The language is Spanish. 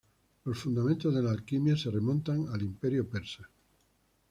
Los fundamentos de la alquimia se remontan al Imperio persa.